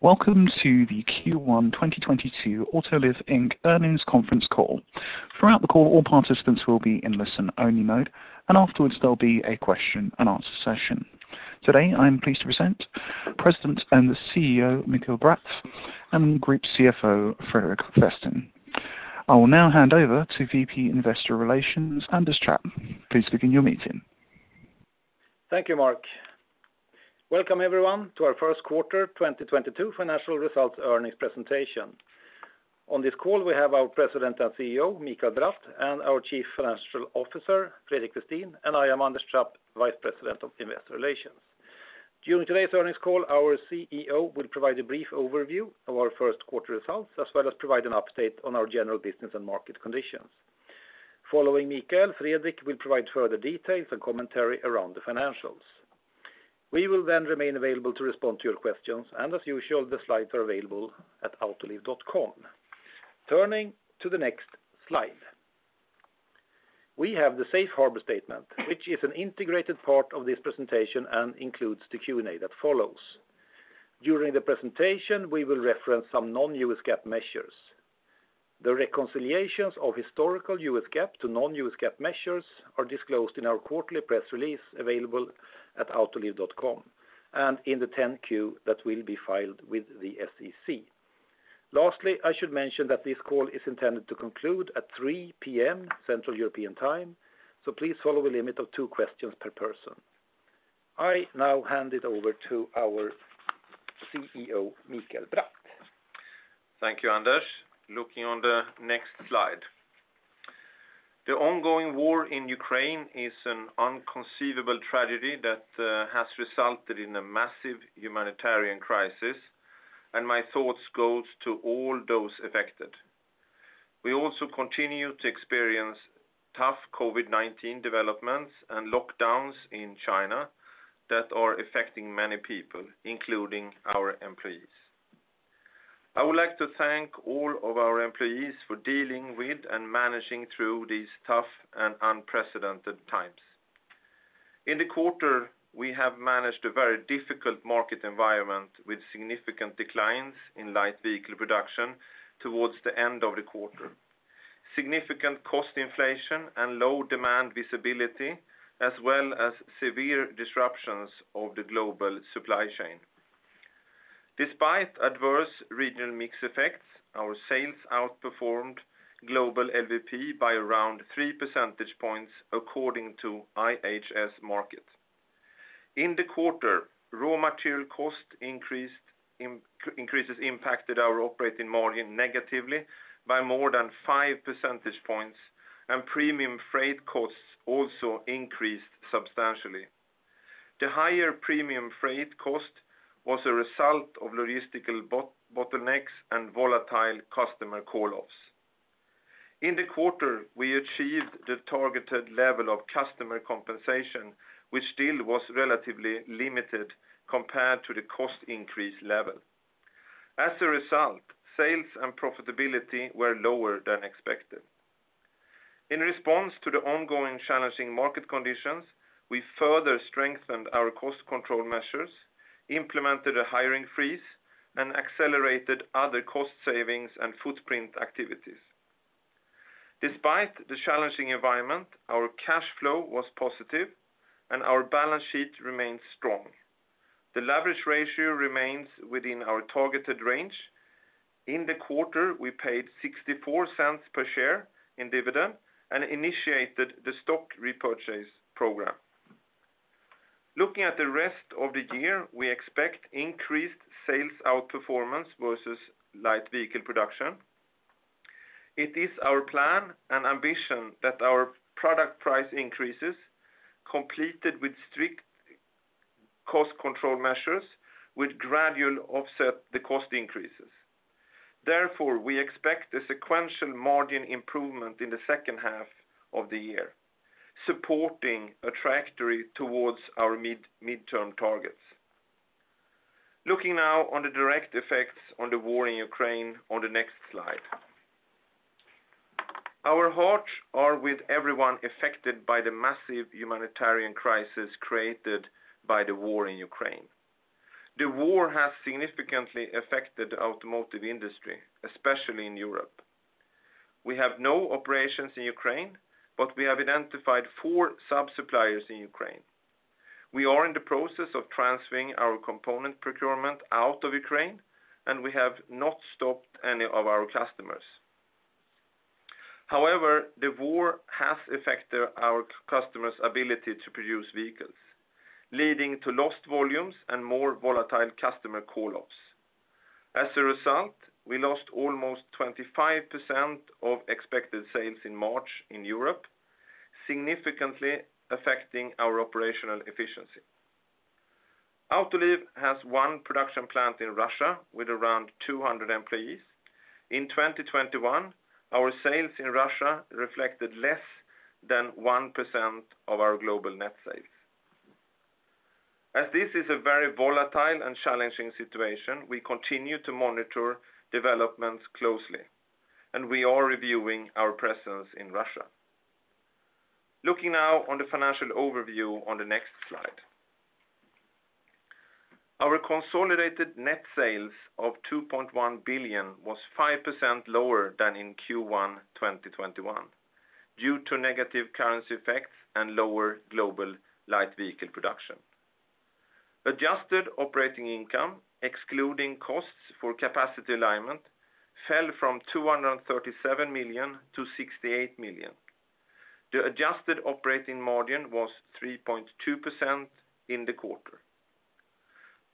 Welcome to the Q1 2022 Autoliv Inc. earnings conference call. Throughout the call, all participants will be in listen-only mode, and afterwards, there'll be a question and answer session. Today, I'm pleased to present President and CEO, Mikael Bratt, and Group CFO, Fredrik Westin. I will now hand over to VP Investor Relations, Anders Trapp. Please begin your meeting. Thank you, Mark. Welcome, everyone, to our first quarter 2022 financial results earnings presentation. On this call, we have our President and CEO, Mikael Bratt, and our Chief Financial Officer, Fredrik Westin, and I am Anders Trapp, Vice President of Investor Relations. During today's earnings call, our CEO will provide a brief overview of our first quarter results, as well as provide an update on our general business and market conditions. Following Mikael, Fredrik will provide further details and commentary around the financials. We will then remain available to respond to your questions. As usual, the slides are available at autoliv.com. Turning to the next slide. We have the safe harbor statement, which is an integrated part of this presentation and includes the Q&A that follows. During the presentation, we will reference some non-US GAAP measures. The reconciliations of historical U.S. GAAP to non-U.S. GAAP measures are disclosed in our quarterly press release available at autoliv.com and in the 10-Q that will be filed with the SEC. Lastly, I should mention that this call is intended to conclude at 3:00 P.M. Central European Time, so please follow the limit of two questions per person. I now hand it over to our CEO, Mikael Bratt. Thank you, Anders. Looking on the next slide. The ongoing war in Ukraine is an inconceivable tragedy that has resulted in a massive humanitarian crisis, and my thoughts goes to all those affected. We also continue to experience tough COVID-19 developments and lockdowns in China that are affecting many people, including our employees. I would like to thank all of our employees for dealing with and managing through these tough and unprecedented times. In the quarter, we have managed a very difficult market environment with significant declines in light vehicle production towards the end of the quarter, significant cost inflation and low demand visibility, as well as severe disruptions of the global supply chain. Despite adverse regional mix effects, our sales outperformed global LVP by around 3 percentage points according to IHS Markit. In the quarter, raw material cost increases impacted our operating margin negatively by more than 5 percentage points, and premium freight costs also increased substantially. The higher premium freight cost was a result of logistical bottlenecks and volatile customer call-offs. In the quarter, we achieved the targeted level of customer compensation, which still was relatively limited compared to the cost increase level. As a result, sales and profitability were lower than expected. In response to the ongoing challenging market conditions, we further strengthened our cost control measures, implemented a hiring freeze, and accelerated other cost savings and footprint activities. Despite the challenging environment, our cash flow was positive, and our balance sheet remains strong. The leverage ratio remains within our targeted range. In the quarter, we paid $0.64 per share in dividend and initiated the stock repurchase program. Looking at the rest of the year, we expect increased sales outperformance versus light vehicle production. It is our plan and ambition that our product price increases, completed with strict cost control measures, will gradually offset the cost increases. Therefore, we expect a sequential margin improvement in the second half of the year, supporting a trajectory towards our mid-midterm targets. Looking now at the direct effects of the war in Ukraine on the next slide. Our hearts are with everyone affected by the massive humanitarian crisis created by the war in Ukraine. The war has significantly affected the automotive industry, especially in Europe. We have no operations in Ukraine, but we have identified four sub-suppliers in Ukraine. We are in the process of transferring our component procurement out of Ukraine, and we have not stopped any of our customers. However, the war has affected our customers' ability to produce vehicles, leading to lost volumes and more volatile customer call-offs. As a result, we lost almost 25% of expected sales in March in Europe, significantly affecting our operational efficiency. Autoliv has one production plant in Russia with around 200 employees. In 2021, our sales in Russia reflected less than 1% of our global net sales. As this is a very volatile and challenging situation, we continue to monitor developments closely, and we are reviewing our presence in Russia. Looking now on the financial overview on the next slide. Our consolidated net sales of $2.1 billion was 5% lower than in Q1 2021 due to negative currency effects and lower global light vehicle production. Adjusted operating income, excluding costs for capacity alignment, fell from $237 million to $68 million. The adjusted operating margin was 3.2% in the quarter.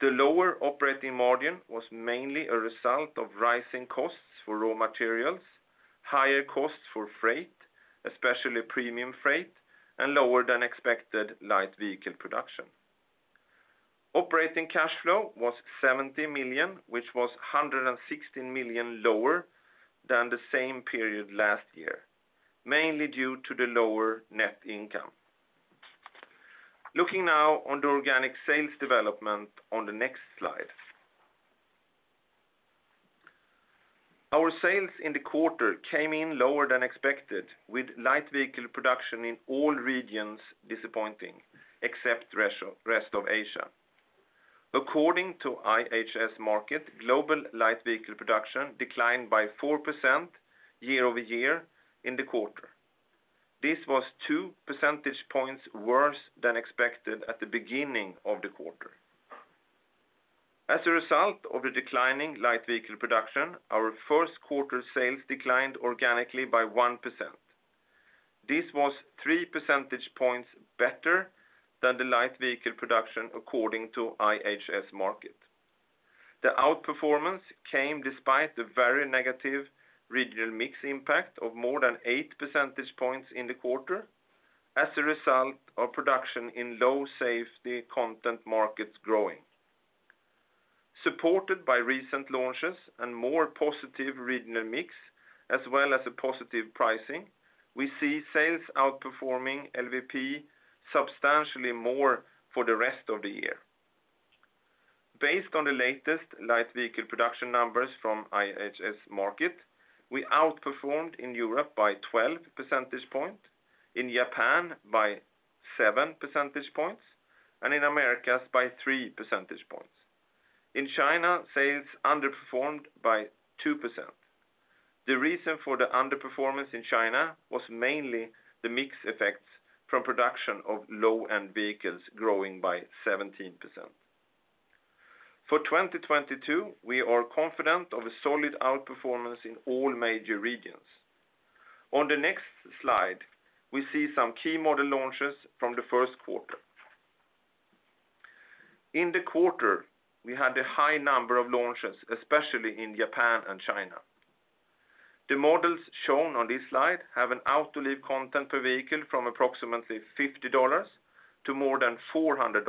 The lower operating margin was mainly a result of rising costs for raw materials, higher costs for freight, especially premium freight, and lower than expected light vehicle production. Operating cash flow was $70 million, which was $160 million lower than the same period last year, mainly due to the lower net income. Looking now on the organic sales development on the next slide. Our sales in the quarter came in lower than expected, with light vehicle production in all regions disappointing, except rest of Asia. According to IHS Markit, global light vehicle production declined by 4% year-over-year in the quarter. This was 2 percentage points worse than expected at the beginning of the quarter. As a result of the declining light vehicle production, our first quarter sales declined organically by 1%. This was 3 percentage points better than the light vehicle production according to IHS Markit. The outperformance came despite the very negative regional mix impact of more than 8 percentage points in the quarter as a result of production in low safety content markets growing. Supported by recent launches and more positive regional mix as well as a positive pricing, we see sales outperforming LVP substantially more for the rest of the year. Based on the latest light vehicle production numbers from IHS Markit, we outperformed in Europe by 12 percentage points, in Japan by 7 percentage points, and in Americas by 3 percentage points. In China, sales underperformed by 2%. The reason for the underperformance in China was mainly the mix effects from production of low-end vehicles growing by 17%. For 2022, we are confident of a solid outperformance in all major regions. On the next slide, we see some key model launches from the first quarter. In the quarter, we had a high number of launches, especially in Japan and China. The models shown on this slide have an Autoliv content per vehicle from approximately $50 to more than $400.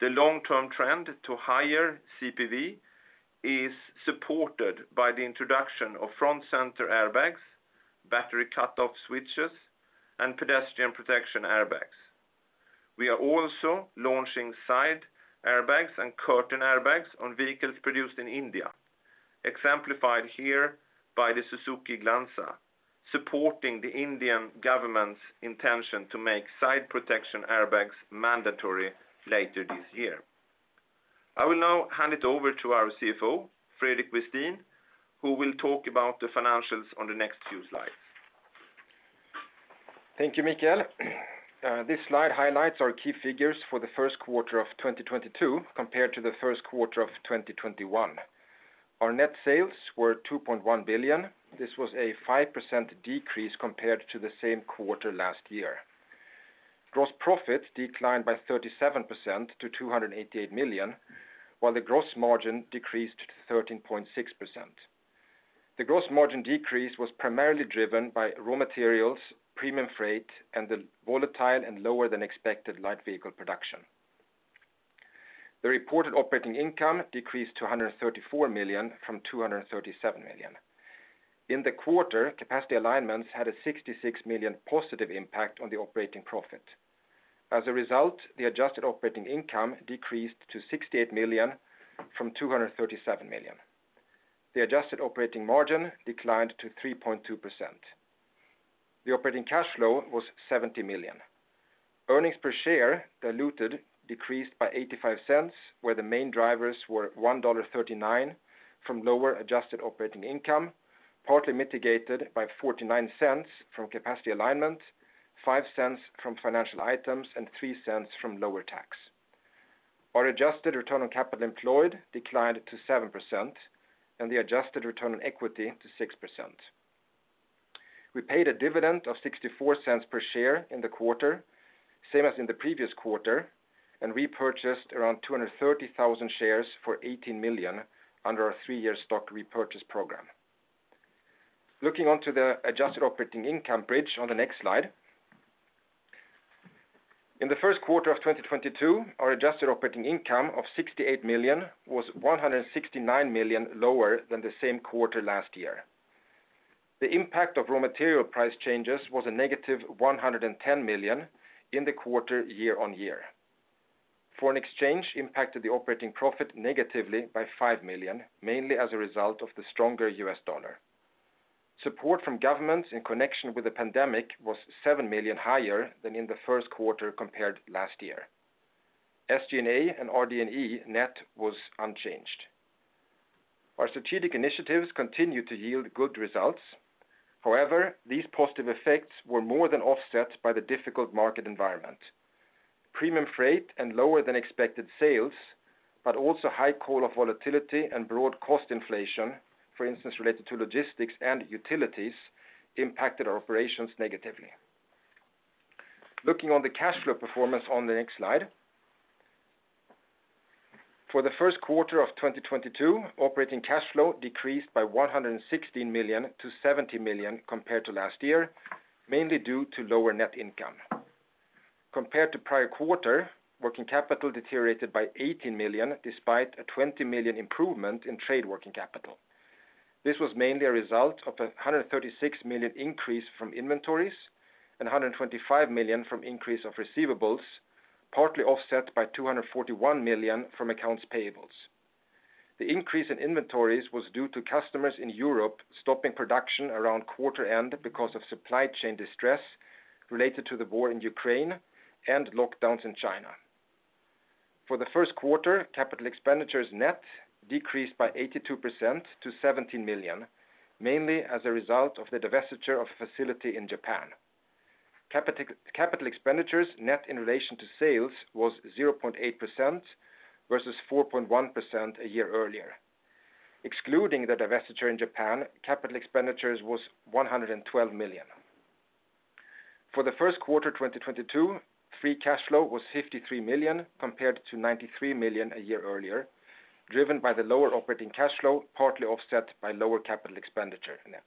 The long-term trend to higher CPV is supported by the introduction of front center airbags, battery cut-off switches, and pedestrian protection airbags. We are also launching side airbags and curtain airbags on vehicles produced in India, exemplified here by the Suzuki Glanza, supporting the Indian government's intention to make side protection airbags mandatory later this year. I will now hand it over to our CFO, Fredrik Westin, who will talk about the financials on the next few slides. Thank you, Mikael. This slide highlights our key figures for the first quarter of 2022 compared to the first quarter of 2021. Our net sales were $2.1 billion. This was a 5% decrease compared to the same quarter last year. Gross profit declined by 37% to $288 million, while the gross margin decreased to 13.6%. The gross margin decrease was primarily driven by raw materials, premium freight, and the volatile and lower than expected light vehicle production. The reported operating income decreased to $134 million from $237 million. In the quarter, capacity alignments had a $66 million positive impact on the operating profit. As a result, the adjusted operating income decreased to $68 million from $237 million. The adjusted operating margin declined to 3.2%. The operating cash flow was $70 million. Earnings per share diluted decreased by $0.85, where the main drivers were $1.39 from lower adjusted operating income, partly mitigated by $0.49 from capacity alignment, $0.05 from financial items, and $0.03 from lower tax. Our adjusted return on capital employed declined to 7% and the adjusted return on equity to 6%. We paid a dividend of $0.64 per share in the quarter, same as in the previous quarter, and repurchased around 230,000 shares for $18 million under our three-year stock repurchase program. Looking at the adjusted operating income bridge on the next slide. In the first quarter of 2022, our adjusted operating income of $68 million was $169 million lower than the same quarter last year. The impact of raw material price changes was a negative $110 million in the quarter year-over-year. Foreign exchange impacted the operating profit negatively by $5 million, mainly as a result of the stronger U.S. dollar. Support from governments in connection with the pandemic was $7 million higher than in the first quarter compared to last year. SG&A and RD&E net was unchanged. Our strategic initiatives continued to yield good results. However, these positive effects were more than offset by the difficult market environment. Premium freight and lower than expected sales, but also high call-off volatility and broad cost inflation, for instance, related to logistics and utilities impacted our operations negatively. Looking on the cash flow performance on the next slide. For the first quarter of 2022, operating cash flow decreased by $116 million to $70 million compared to last year, mainly due to lower net income. Compared to prior quarter, working capital deteriorated by $18 million, despite a $20 million improvement in trade working capital. This was mainly a result of a $136 million increase from inventories and $125 million from increase of receivables, partly offset by $241 million from accounts payables. The increase in inventories was due to customers in Europe stopping production around quarter end because of supply chain distress related to the war in Ukraine and lockdowns in China. For the first quarter, capital expenditures net decreased by 82% to $17 million, mainly as a result of the divestiture of a facility in Japan. Capital expenditures net in relation to sales was 0.8% versus 4.1% a year earlier. Excluding the divestiture in Japan, capital expenditures was $112 million. For the first quarter 2022, free cash flow was $53 million compared to $93 million a year earlier, driven by the lower operating cash flow, partly offset by lower capital expenditure net.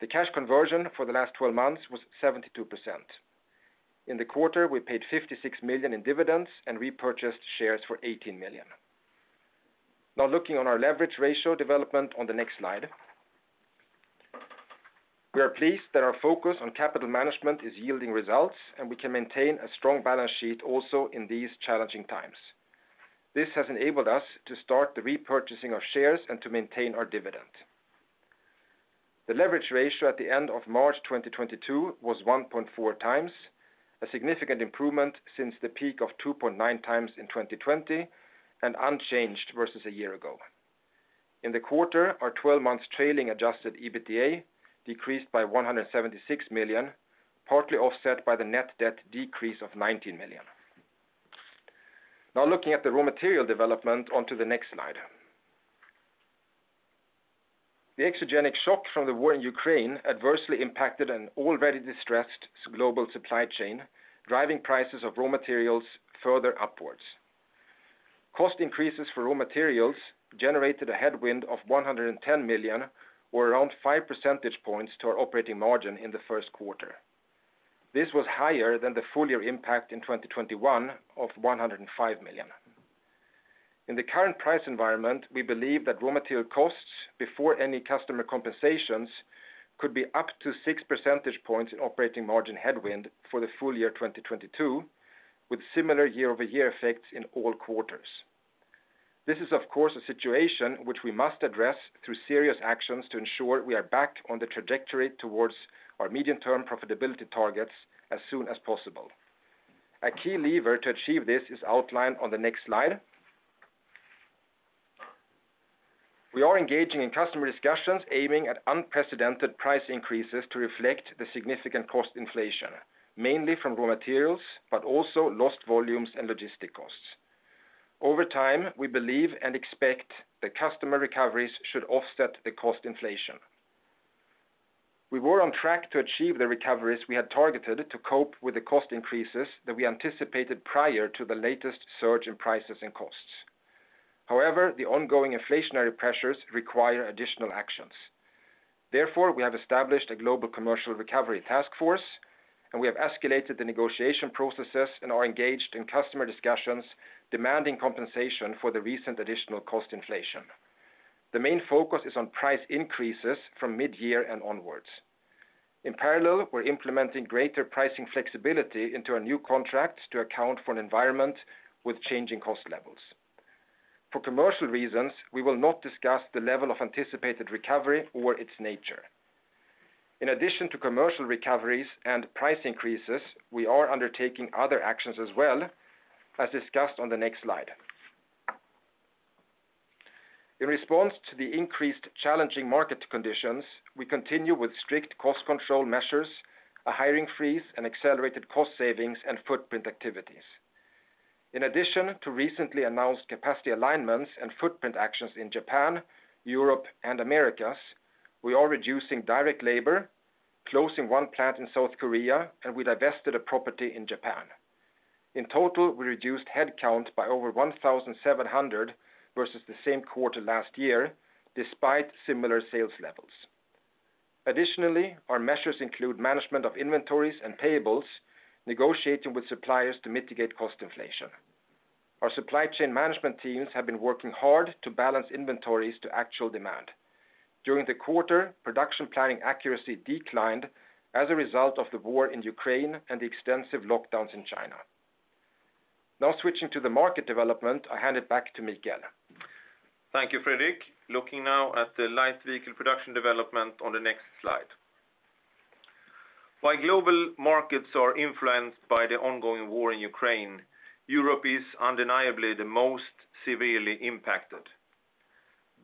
The cash conversion for the last twelve months was 72%. In the quarter, we paid $56 million in dividends and repurchased shares for $18 million. Now looking on our leverage ratio development on the next slide. We are pleased that our focus on capital management is yielding results, and we can maintain a strong balance sheet also in these challenging times. This has enabled us to start the repurchasing of shares and to maintain our dividend. The leverage ratio at the end of March 2022 was 1.4x, a significant improvement since the peak of 2.9x in 2020, and unchanged versus a year ago. In the quarter, our 12 months trailing adjusted EBITDA decreased by $176 million, partly offset by the net debt decrease of $19 million. Now looking at the raw material development onto the next slide. The exogenic shock from the war in Ukraine adversely impacted an already distressed global supply chain, driving prices of raw materials further upwards. Cost increases for raw materials generated a headwind of $110 million, or around 5 percentage points to our operating margin in the first quarter. This was higher than the full year impact in 2021 of $105 million. In the current price environment, we believe that raw material costs before any customer compensations could be up to 6 percentage points in operating margin headwind for the full year 2022, with similar year-over-year effects in all quarters. This is of course a situation which we must address through serious actions to ensure we are back on the trajectory towards our medium-term profitability targets as soon as possible. A key lever to achieve this is outlined on the next slide. We are engaging in customer discussions aiming at unprecedented price increases to reflect the significant cost inflation, mainly from raw materials, but also lost volumes and logistic costs. Over time, we believe and expect the customer recoveries should offset the cost inflation. We were on track to achieve the recoveries we had targeted to cope with the cost increases that we anticipated prior to the latest surge in prices and costs. However, the ongoing inflationary pressures require additional actions. Therefore, we have established a global commercial recovery task force, and we have escalated the negotiation processes and are engaged in customer discussions demanding compensation for the recent additional cost inflation. The main focus is on price increases from mid-year and onwards. In parallel, we're implementing greater pricing flexibility into our new contracts to account for an environment with changing cost levels. For commercial reasons, we will not discuss the level of anticipated recovery or its nature. In addition to commercial recoveries and price increases, we are undertaking other actions as well, as discussed on the next slide. In response to the increased challenging market conditions, we continue with strict cost control measures, a hiring freeze, and accelerated cost savings and footprint activities. In addition to recently announced capacity alignments and footprint actions in Japan, Europe, and Americas, we are reducing direct labor, closing one plant in South Korea, and we divested a property in Japan. In total, we reduced headcount by over 1,700 versus the same quarter last year, despite similar sales levels. Additionally, our measures include management of inventories and payables, negotiating with suppliers to mitigate cost inflation. Our supply chain management teams have been working hard to balance inventories to actual demand. During the quarter, production planning accuracy declined as a result of the war in Ukraine and the extensive lockdowns in China. Now switching to the market development, I hand it back to Mikael. Thank you, Fredrik. Looking now at the light vehicle production development on the next slide. While global markets are influenced by the ongoing war in Ukraine, Europe is undeniably the most severely impacted.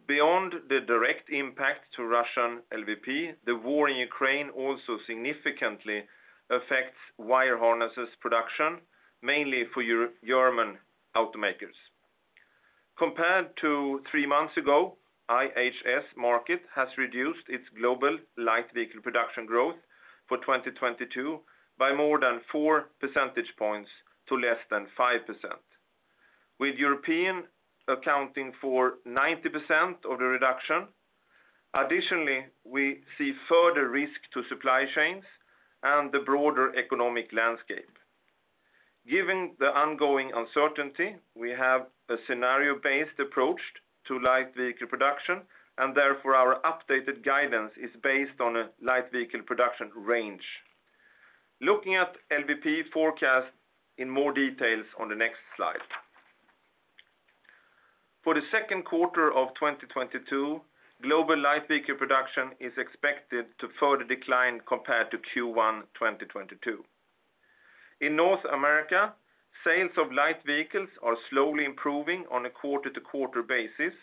Beyond the direct impact to Russian LVP, the war in Ukraine also significantly affects wire harnesses production, mainly for German automakers. Compared to three months ago, IHS Markit has reduced its global light vehicle production growth for 2022 by more than 4 percentage points to less than 5%, with Europe accounting for 90% of the reduction. Additionally, we see further risk to supply chains and the broader economic landscape. Given the ongoing uncertainty, we have a scenario-based approach to light vehicle production, and therefore, our updated guidance is based on a light vehicle production range. Looking at LVP forecast in more details on the next slide. For the second quarter of 2022, global light vehicle production is expected to further decline compared to Q1 2022. In North America, sales of light vehicles are slowly improving on a quarter-to-quarter basis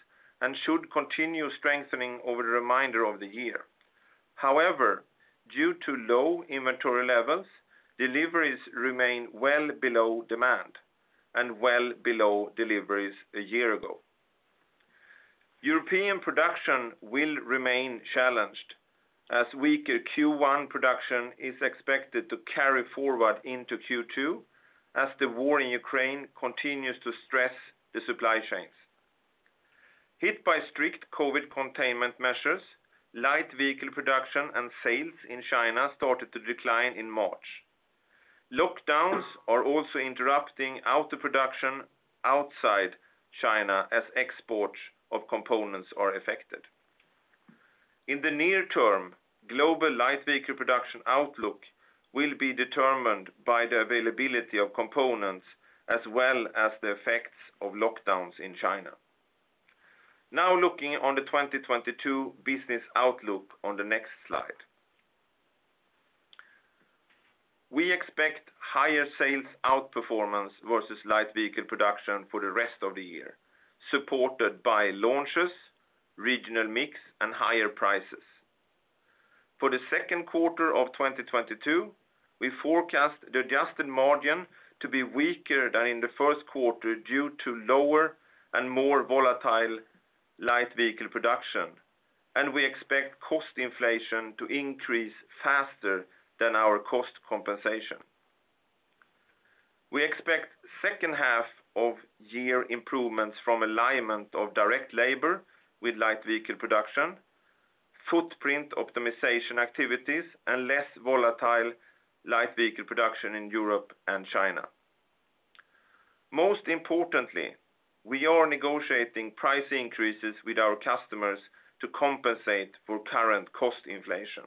and should continue strengthening over the remainder of the year. However, due to low inventory levels, deliveries remain well below demand and well below deliveries a year ago. European production will remain challenged as weaker Q1 production is expected to carry forward into Q2 as the war in Ukraine continues to stress the supply chains. Hit by strict COVID \ containment measures, light vehicle production and sales in China started to decline in March. Lockdowns are also interrupting auto production outside China as exports of components are affected. In the near term, global light vehicle production outlook will be determined by the availability of components as well as the effects of lockdowns in China. Now looking on the 2022 business outlook on the next slide. We expect higher sales outperformance versus light vehicle production for the rest of the year, supported by launches, regional mix, and higher prices. For the second quarter of 2022, we forecast the adjusted margin to be weaker than in the first quarter due to lower and more volatile light vehicle production, and we expect cost inflation to increase faster than our cost compensation. We expect second half of year improvements from alignment of direct labor with light vehicle production, footprint optimization activities, and less volatile light vehicle production in Europe and China. Most importantly, we are negotiating price increases with our customers to compensate for current cost inflation.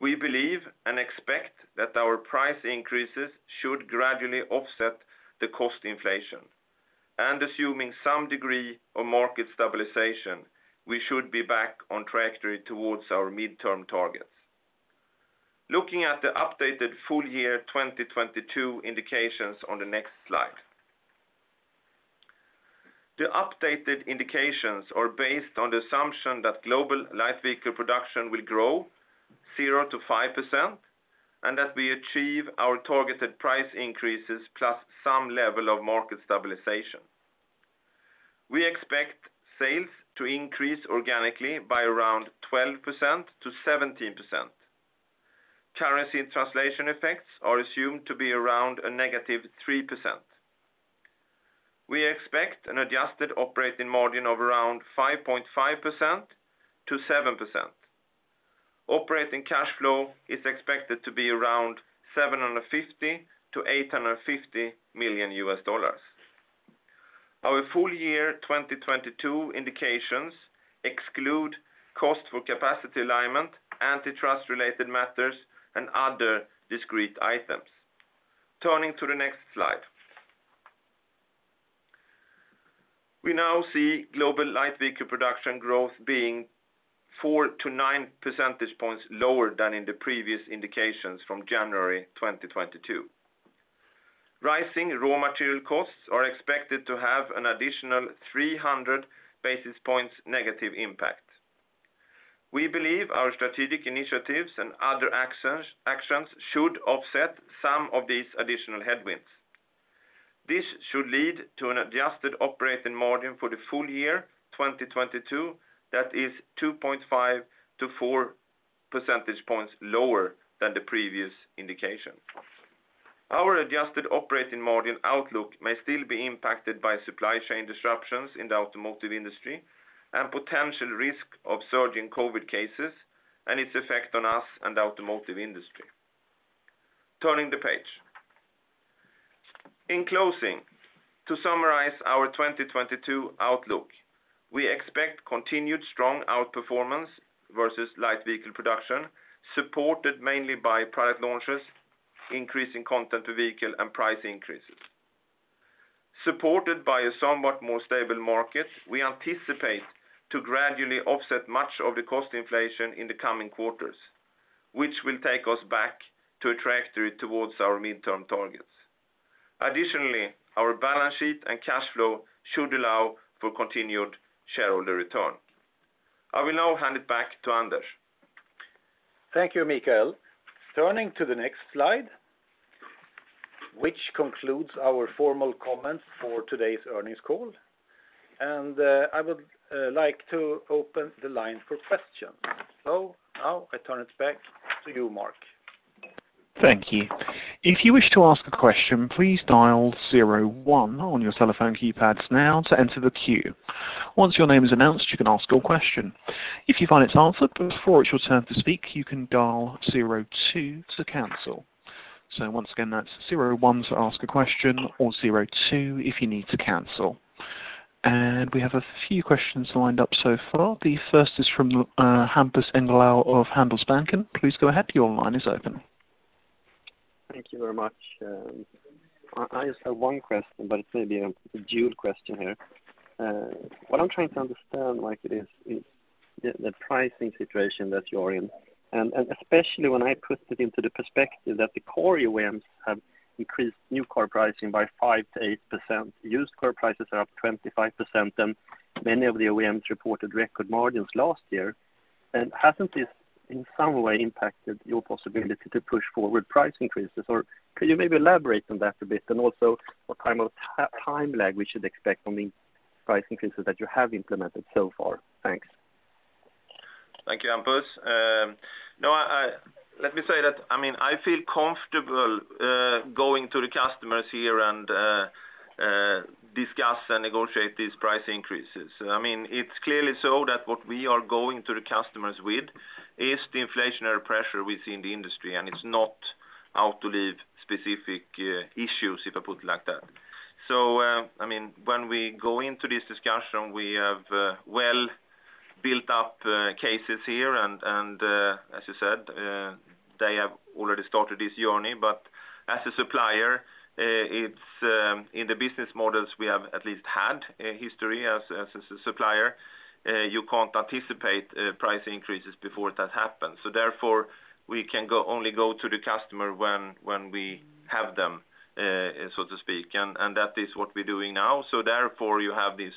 We believe and expect that our price increases should gradually offset the cost inflation, and assuming some degree of market stabilization, we should be back on trajectory towards our midterm targets. Looking at the updated full year 2022 indications on the next slide. The updated indications are based on the assumption that global light vehicle production will grow 0%-5%, and that we achieve our targeted price increases plus some level of market stabilization. We expect sales to increase organically by around 12%-17%. Currency translation effects are assumed to be around a -3%. We expect an adjusted operating margin of around 5.5%-7%. Operating cash flow is expected to be around $750 million-$850 million. Our full year 2022 indications exclude cost for capacity alignment, antitrust related matters, and other discrete items. Turning to the next slide. We now see global light vehicle production growth being 4-9 percentage points lower than in the previous indications from January 2022. Rising raw material costs are expected to have an additional 300 basis points negative impact. We believe our strategic initiatives and other actions should offset some of these additional headwinds. This should lead to an adjusted operating margin for the full year 2022 that is 2.5-4 percentage points lower than the previous indication. Our adjusted operating margin outlook may still be impacted by supply chain disruptions in the automotive industry and potential risk of surging COVID cases and its effect on us and the automotive industry. Turning the page. In closing, to summarize our 2022 outlook, we expect continued strong outperformance versus light vehicle production, supported mainly by product launches, increase in content per vehicle, and price increases. Supported by a somewhat more stable market, we anticipate to gradually offset much of the cost inflation in the coming quarters, which will take us back to a trajectory towards our midterm targets. Additionally, our balance sheet and cash flow should allow for continued shareholder return. I will now hand it back to Anders. Thank you, Mikael. Turning to the next slide, which concludes our formal comments for today's earnings call. I would like to open the line for questions. Now I turn it back to you, Mark. Thank you. If you wish to ask a question, please dial zero one on your telephone keypads now to enter the queue. Once your name is announced, you can ask your question. If you find it's answered before it's your turn to speak, you can dial zero two to cancel. Once again, that's zero one to ask a question or zero two if you need to cancel. We have a few questions lined up so far. The first is from Hampus Engellau of Handelsbanken. Please go ahead, your line is open. Thank you very much. I just have one question, but it may be a dual question here. What I'm trying to understand, Mikael, is the pricing situation that you're in. Especially when I put it into the perspective that the core OEMs have increased new car pricing by 5%-8%, used car prices are up 25%, and many of the OEMs reported record margins last year. Hasn't this, in some way, impacted your possibility to push forward price increases? Or could you maybe elaborate on that a bit? Also, what kind of time lag we should expect on the price increases that you have implemented so far? Thanks. Thank you, Hampus. No, let me say that, I mean, I feel comfortable going to the customers here and discuss and negotiate these price increases. I mean, it's clearly so that what we are going to the customers with is the inflationary pressure within the industry, and it's not Autoliv specific issues, if I put it like that. I mean, when we go into this discussion, we have well built up cases here. As you said, they have already started this journey. As a supplier, it's in the business models we have at least had a history as a supplier. You can't anticipate price increases before that happens. Therefore, we can only go to the customer when we have them, so to speak. That is what we're doing now. Therefore, you have this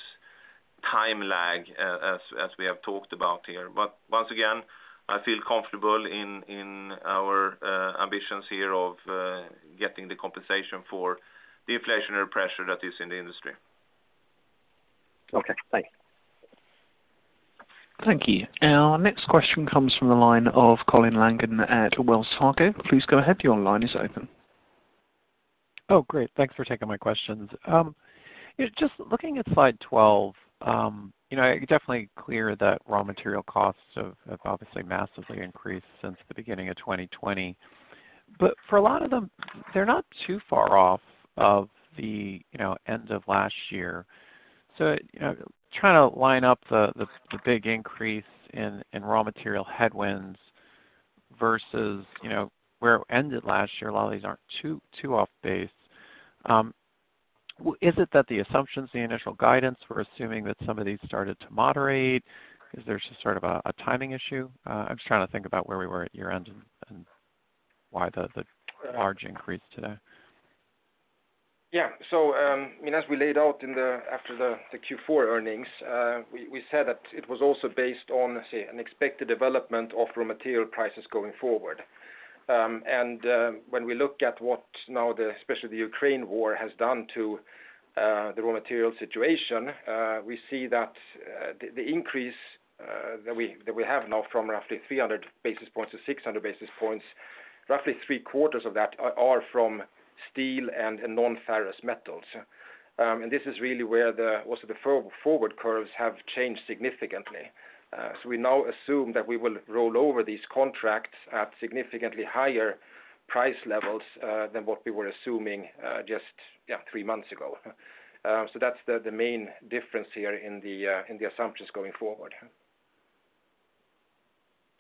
time lag, as we have talked about here. Once again, I feel comfortable in our ambitions here of getting the compensation for the inflationary pressure that is in the industry. Okay, thanks. Thank you. Our next question comes from the line of Colin Langan at Wells Fargo. Please go ahead, your line is open. Oh, great. Thanks for taking my questions. Just looking at slide 12, you know, it's definitely clear that raw material costs have obviously massively increased since the beginning of 2020. For a lot of them, they're not too far off of the, you know, end of last year. You know, trying to line up the big increase in raw material headwinds versus, you know, where it ended last year, a lot of these aren't too off base. Is it that the assumptions, the initial guidance, we're assuming that some of these started to moderate? Is there just sort of a timing issue? I'm just trying to think about where we were at year-end and why the large increase today. I mean, as we laid out after the Q4 earnings, we said that it was also based on, say, an expected development of raw material prices going forward. When we look at what, especially the Ukraine war has done to the raw material situation, we see that the increase that we have now from roughly 300 basis points to 600 basis points, roughly three-quarters of that are from steel and non-ferrous metals. This is really where also the forward curves have changed significantly. We now assume that we will roll over these contracts at significantly higher price levels than what we were assuming just three months ago. That's the main difference here in the assumptions going forward.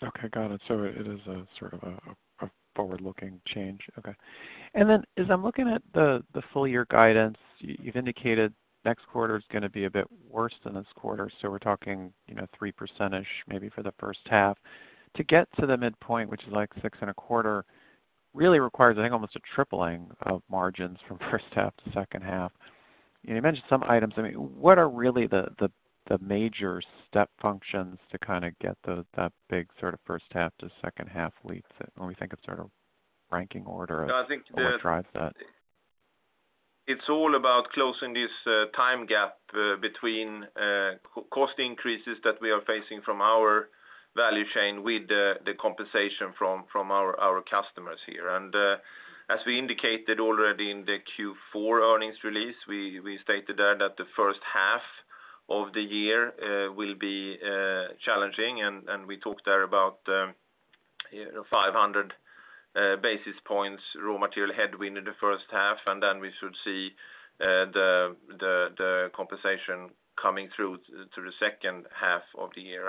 Okay, got it. It is a sort of a forward-looking change. Okay. As I'm looking at the full year guidance, you've indicated next quarter is gonna be a bit worse than this quarter. We're talking, you know, 3% maybe for the first half. To get to the midpoint, which is like 6.25, really requires, I think, almost a tripling of margins from first half to second half. You mentioned some items. I mean, what are really the major step functions to kind of get to that big sort of first half to second half leap when we think of sort of ranking order of- No, I think. What drives that? It's all about closing this time gap between cost increases that we are facing from our value chain with the compensation from our customers here. As we indicated already in the Q4 earnings release, we stated there that the first half of the year will be challenging. We talked there about, you know, 500 basis points raw material headwind in the first half, and then we should see the compensation coming through to the second half of the year.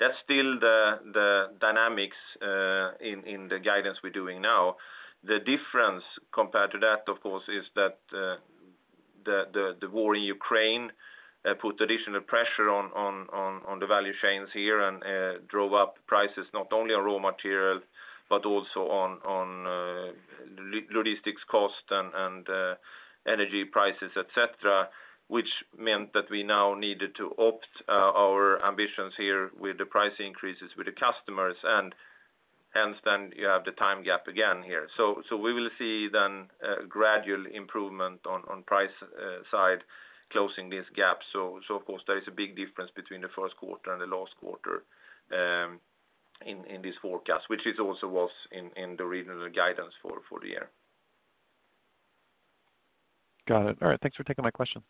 That's still the dynamics in the guidance we're doing now. The difference compared to that, of course, is that the war in Ukraine put additional pressure on the value chains here and drove up prices not only on raw material, but also on logistics cost and energy prices, et cetera, which meant that we now needed to adapt our ambitions here with the price increases with the customers and then you have the time gap again here. We will see then a gradual improvement on price side closing this gap. Of course there is a big difference between the first quarter and the last quarter in this forecast, which it also was in the original guidance for the year. Got it. All right, thanks for taking my question.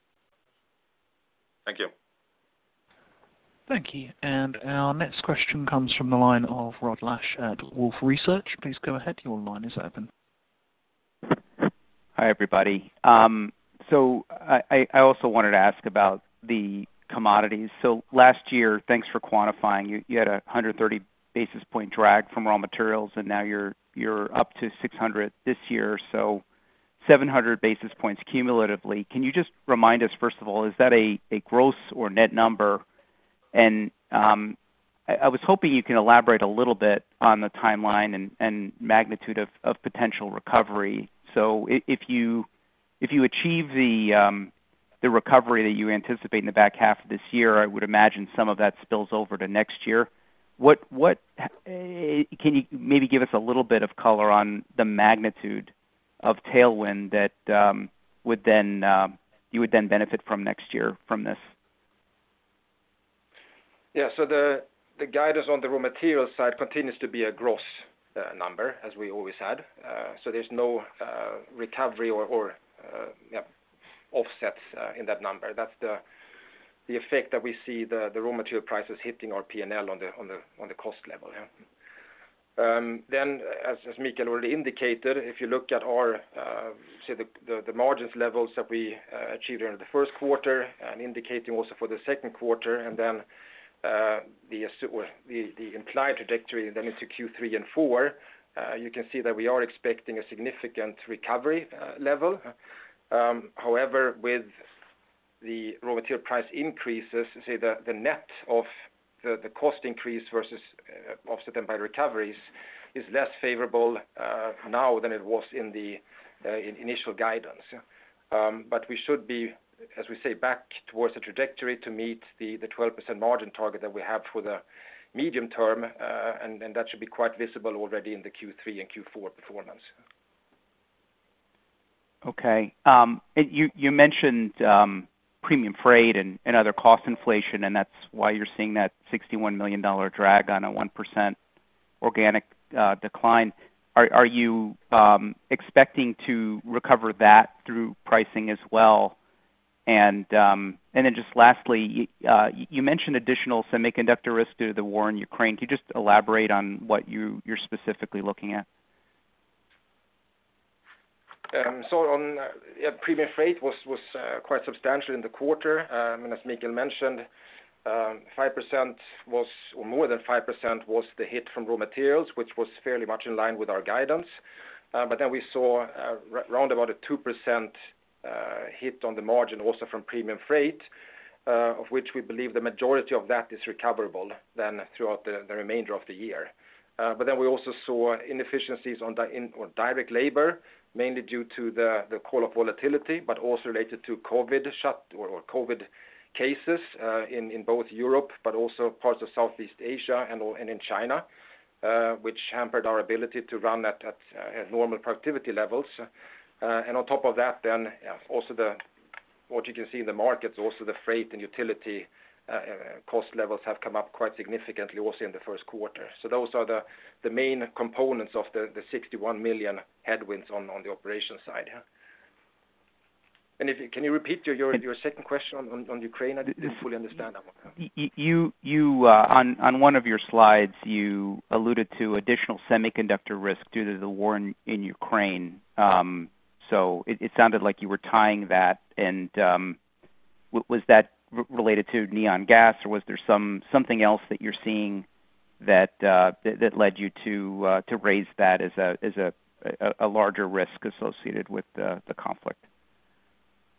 Thank you. Thank you. Our next question comes from the line of Rod Lache at Wolfe Research. Please go ahead. Your line is open. Hi, everybody. I also wanted to ask about the commodities. Last year, thanks for quantifying, you had a 130 basis point drag from raw materials, and now you're up to 600 this year, so 700 basis points cumulatively. Can you just remind us, first of all, is that a gross or net number? I was hoping you can elaborate a little bit on the timeline and magnitude of potential recovery. If you achieve the recovery that you anticipate in the back half of this year, I would imagine some of that spills over to next year. What can you maybe give us a little bit of color on the magnitude of tailwind that you would then benefit from next year from this? The guidance on the raw material side continues to be a gross number, as we always had. There's no recovery or offsets in that number. That's the effect that we see the raw material prices hitting our P&L on the cost level. As Mikael already indicated, if you look at our margin levels that we achieved during the first quarter and indicating also for the second quarter and the implied trajectory into Q3 and Q4, you can see that we are expecting a significant recovery level. However, with the raw material price increases, say the net of the cost increase versus offset them by recoveries is less favorable now than it was in the initial guidance. We should be, as we say, back towards the trajectory to meet the 12% margin target that we have for the medium term. That should be quite visible already in the Q3 and Q4 performance. Okay. You mentioned premium freight and other cost inflation, and that's why you're seeing that $61 million drag on a 1% organic decline. Are you expecting to recover that through pricing as well? Then just lastly, you mentioned additional semiconductor risk due to the war in Ukraine. Can you just elaborate on what you're specifically looking at? Premium freight was quite substantial in the quarter. As Mikael mentioned, 5% or more than 5% was the hit from raw materials, which was fairly much in line with our guidance. We saw roundabout a 2% hit on the margin also from premium freight, of which we believe the majority of that is recoverable and throughout the remainder of the year. We also saw inefficiencies on direct labor, mainly due to the call-off volatility, but also related to COVID cases in both Europe but also parts of Southeast Asia and in China, which hampered our ability to run at normal productivity levels. On top of that, then also what you can see in the markets, also the freight and utility cost levels have come up quite significantly also in the first quarter. Those are the main components of the $61 million headwinds on the operations side, yeah. Can you repeat your second question on Ukraine? I didn't fully understand that one. You, on one of your slides, you alluded to additional semiconductor risk due to the war in Ukraine. It sounded like you were tying that. Was that related to neon gas, or was there something else that you're seeing that led you to raise that as a larger risk associated with the conflict?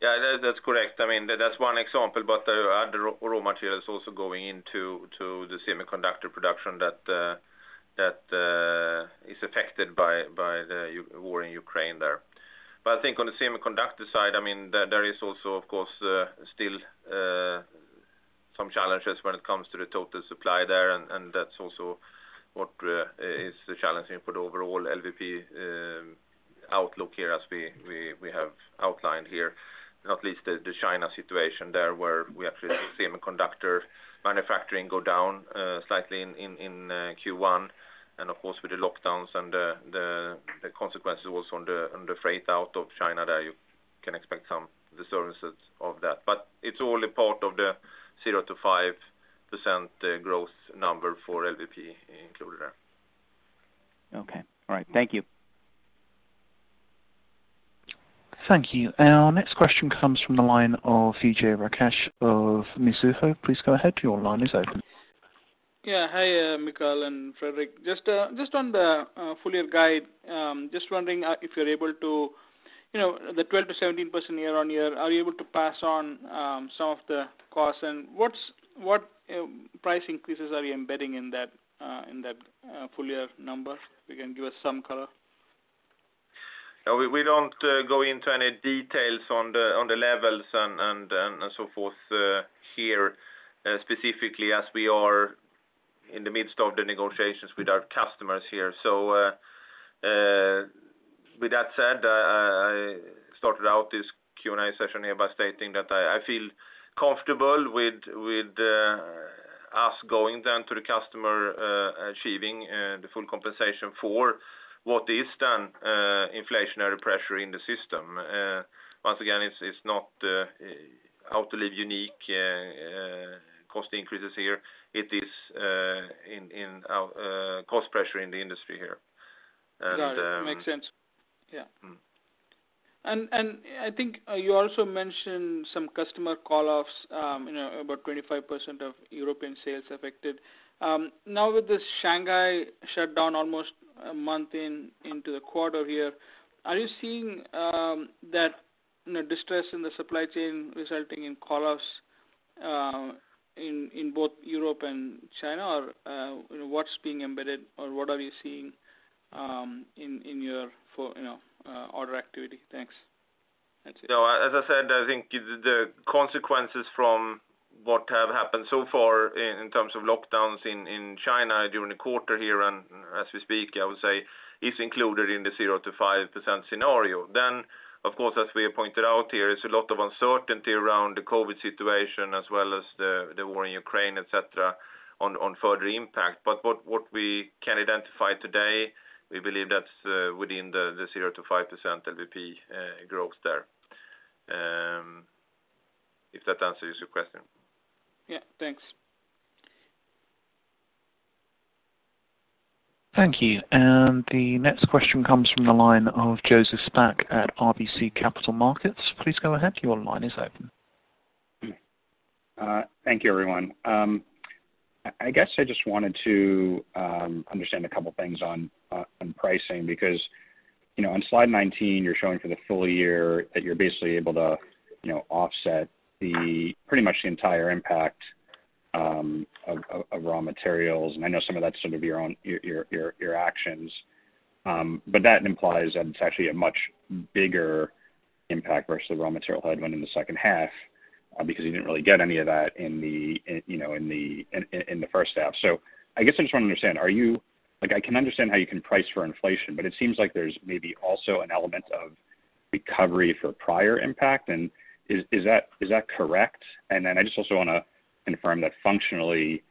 That's correct. I mean, that's one example. There are other raw materials also going into the semiconductor production that is affected by the war in Ukraine there. I think on the semiconductor side, I mean, there is also of course still some challenges when it comes to the total supply there, and that's also what is challenging for the overall LVP outlook here as we have outlined here. Not least the China situation there where we actually see semiconductor manufacturing go down slightly in Q1, and of course with the lockdowns and the consequences also on the freight out of China there you can expect some disturbances of that. It's only part of the 0%-5% growth number for LVP included there. Okay. All right. Thank you. Thank you. Our next question comes from the line of Vijay Rakesh of Mizuho. Please go ahead. Your line is open. Hi, Mikael and Fredrik. Just on the full-year guide, just wondering if you're able to, you know, the 12%-17% year-on-year, are you able to pass on some of the costs? What price increases are you embedding in that full-year number? You can give us some color. We don't go into any details on the levels and so forth here specifically as we are in the midst of the negotiations with our customers here. With that said, I started out this Q&A session here by stating that I feel comfortable with us going down to the customer achieving the full compensation for what is done inflationary pressure in the system. Once again, it's not Autoliv unique cost increases here. It is industry-wide cost pressure in the industry here. Got it. Makes sense. I think you also mentioned some customer call-offs, you know, about 25% of European sales affected. Now with this Shanghai shutdown almost a month into the quarter here, are you seeing that, you know, distress in the supply chain resulting in call-offs in both Europe and China? Or, you know, what's being embedded or what are you seeing in your order activity? Thanks. That's it. No. As I said, I think the consequences from what have happened so far in terms of lockdowns in China during the quarter here and as we speak, I would say is included in the 0%-5% scenario. Of course, as we have pointed out here, there's a lot of uncertainty around the COVID situation as well as the war in Ukraine, et cetera, on further impact. What we can identify today, we believe that's within the 0%-5% LVP growth there. If that answers your question. Thanks. Thank you. The next question comes from the line of Joseph Spak at RBC Capital Markets. Please go ahead, your line is open. Thank you, everyone. I guess I just wanted to understand a couple things on pricing, because, you know, on slide 19 you're showing for the full year that you're basically able to, you know, offset pretty much the entire impact of raw materials. I know some of that's sort of your own actions. That implies that it's actually a much bigger impact versus the raw material headwind in the second half, because you didn't really get any of that in the first half. I guess I just want to understand, are you? Like, I can understand how you can price for inflation, but it seems like there's maybe also an element of recovery for prior impact. Is that correct? I just also wanna confirm that functionally,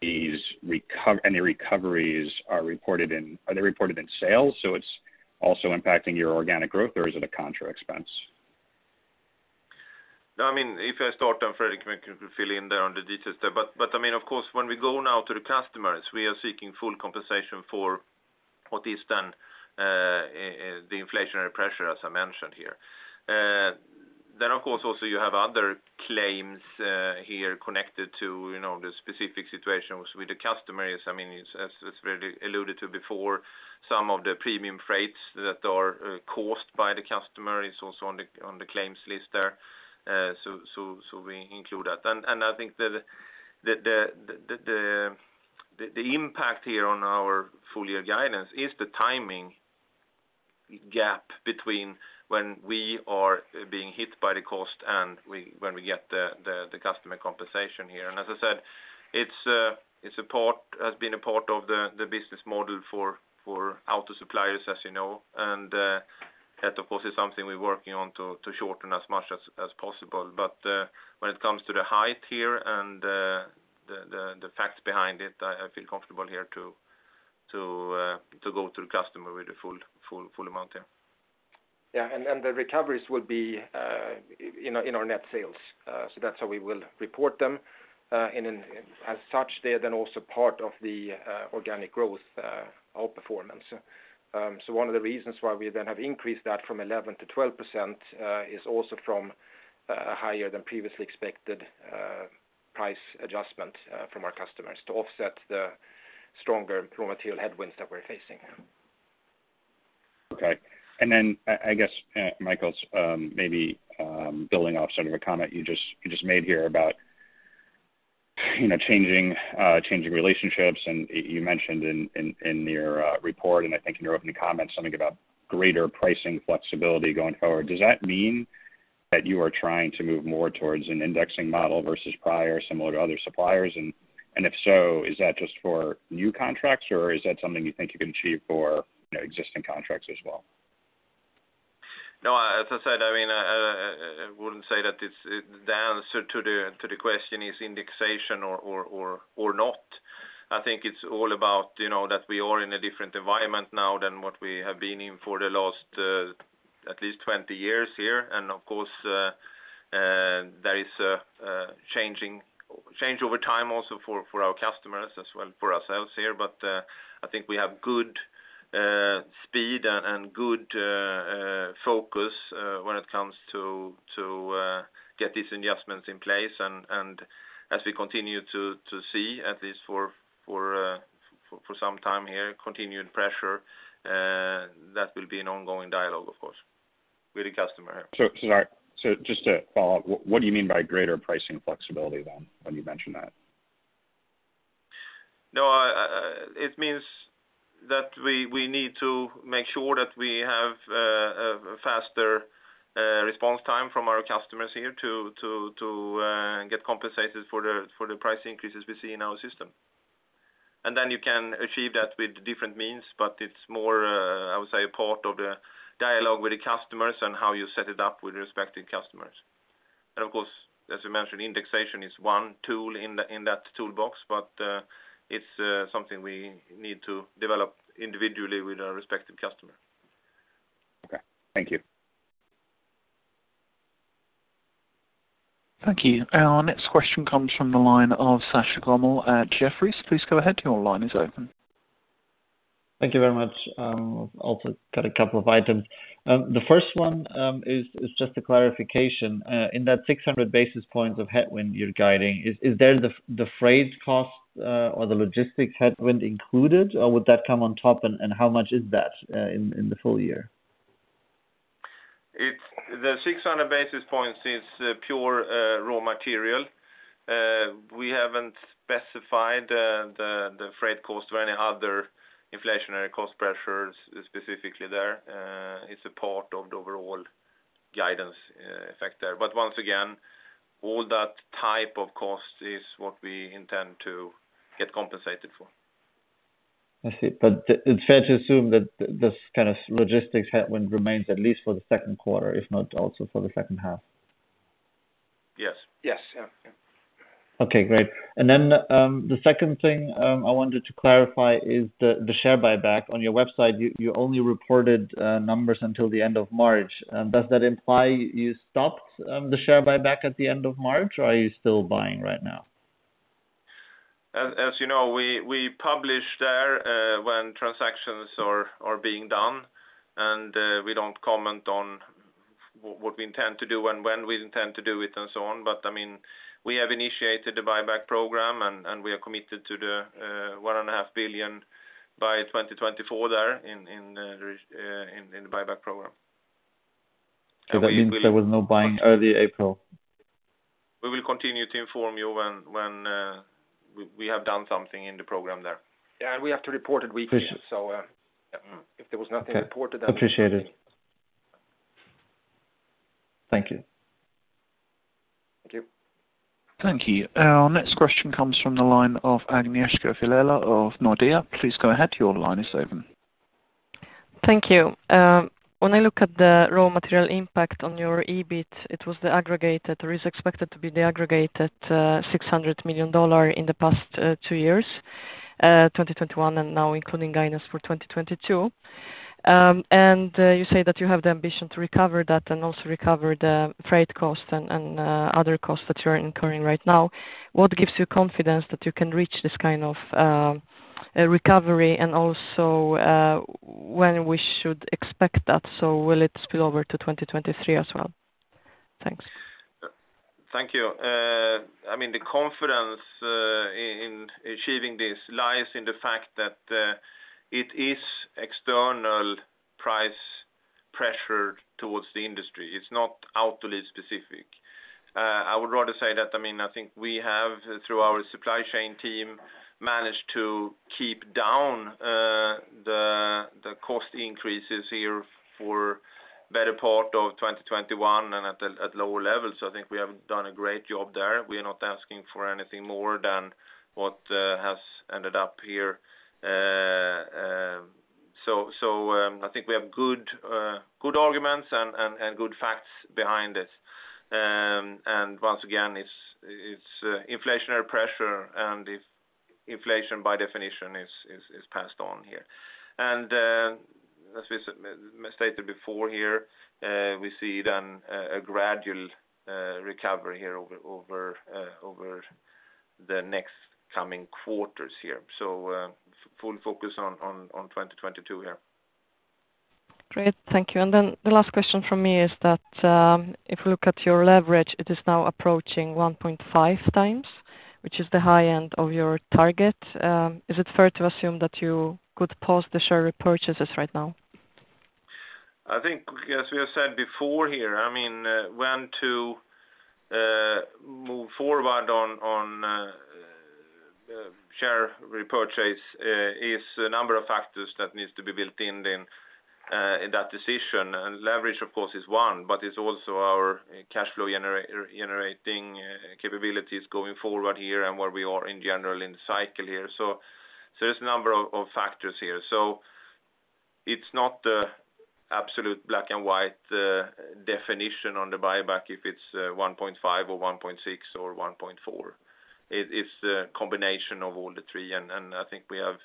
these recoveries are reported in sales, so it's also impacting your organic growth? Or is it a contra expense? No, I mean, if I start, and Fredrik can fill in there on the details there. I mean, of course, when we go now to the customers, we are seeking full compensation for what is done, the inflationary pressure, as I mentioned here. Of course also you have other claims, here connected to, you know, the specific situations with the customers. I mean, it's as Fredrik alluded to before, some of the premium freights that are, caused by the customer is also on the, on the claims list there. We include that. I think the impact here on our full year guidance is the timing gap between when we are being hit by the cost and when we get the customer compensation here. As I said, it has been a part of the business model for auto suppliers, as you know. That of course is something we're working on to shorten as much as possible. When it comes to the lead time here and the facts behind it, I feel comfortable here to go to the customer with the full amount here. The recoveries will be in our net sales. That's how we will report them. As such, they're also part of the organic growth outperformance. One of the reasons why we have increased that from 11%-12% is also from higher than previously expected price adjustment from our customers to offset the stronger raw material headwinds that we're facing. Okay. I guess, Mikael's maybe building off sort of a comment you just made here about, you know, changing relationships. You mentioned in your report and I think in your opening comments something about greater pricing flexibility going forward. Does that mean that you are trying to move more towards an indexing model versus prior similar to other suppliers? If so, is that just for new contracts, or is that something you think you can achieve for, you know, existing contracts as well? No. As I said, I mean, I wouldn't say that it's the answer to the question is indexation or not. I think it's all about, you know, that we are in a different environment now than what we have been in for the last at least 20 years. Of course, there is a change over time also for our customers as well, for ourselves here. I think we have good speed and good focus when it comes to get these adjustments in place. As we continue to see, at least for some time here, continued pressure, that will be an ongoing dialogue of course, with the customer. Sorry. Just to follow up, what do you mean by greater pricing flexibility than when you mention that? No, it means that we need to make sure that we have a faster response time from our customers here to get compensated for the price increases we see in our system. Then you can achieve that with different means, but it's more, I would say part of the dialogue with the customers and how you set it up with respective customers. Of course, as you mentioned, indexation is one tool in that toolbox, but it's something we need to develop individually with our respective customer. Okay. Thank you. Thank you. Our next question comes from the line of Sascha Gommel at Jefferies. Please go ahead, your line is open. Thank you very much. Also got a couple of items. The first one is just a clarification. In that 600 basis points of headwind you're guiding, is there the freight cost or the logistics headwind included, or would that come on top and how much is that in the full year? The 600 basis points is pure raw material. We haven't specified the freight cost or any other inflationary cost pressures specifically there. It's a part of the overall guidance effect there. Once again, all that type of cost is what we intend to get compensated for. I see. It's fair to assume that this kind of logistics headwind remains at least for the second quarter, if not also for the second half. Yes. Yes. Yeah. Yeah. Okay, great. The second thing I wanted to clarify is the share buyback. On your website, you only reported numbers until the end of March. Does that imply you stopped the share buyback at the end of March, or are you still buying right now? As you know, we publish there when transactions are being done, and we don't comment on what we intend to do and when we intend to do it and so on. I mean, we have initiated the buyback program and we are committed to the $1.5 billion by 2024 there in the buyback program. That means there was no buying early April? We will continue to inform you when we have done something in the program there. We have to report it weekly. Appreciate- If there was nothing reported then. Appreciated. Thank you. Thank you. Thank you. Our next question comes from the line of Agnieszka Vilela of Nordea. Please go ahead, your line is open. Thank you. When I look at the raw material impact on your EBIT, it was the aggregate that is expected to be at $600 million in the past two years, 2021 and now including guidance for 2022. You say that you have the ambition to recover that and also recover the freight cost and other costs that you are incurring right now. What gives you confidence that you can reach this kind of recovery and also when we should expect that? Will it spill over to 2023 as well? Thanks. Thank you. I mean, the confidence in achieving this lies in the fact that it is external price pressure towards the industry. It's not Autoliv specific. I would rather say that, I mean, I think we have, through our supply chain team, managed to keep down the cost increases here for better part of 2021 and at lower levels. I think we have done a great job there. We are not asking for anything more than what has ended up here. I think we have good arguments and good facts behind it. Once again, it's inflationary pressure, and if inflation by definition is passed on here. As we stated before here, we see then a gradual recovery here over the next coming quarters here. Full focus on 2022 here. Great. Thank you. The last question from me is that, if we look at your leverage, it is now approaching 1.5x, which is the high end of your target. Is it fair to assume that you could pause the share repurchases right now? I think as we have said before here, I mean, when to move forward on share repurchase is a number of factors that needs to be built in then in that decision. Leverage, of course, is one, but it's also our cash flow generating capabilities going forward here and where we are in general in the cycle here. There's a number of factors here. It's not the absolute black and white definition on the buyback if it's 1.5x or 1.6x or 1.4x. It's a combination of all three, and I think we have